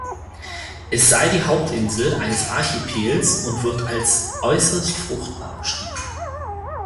Es sei die Hauptinsel eines Archipels und wird als äußerst fruchtbar beschrieben.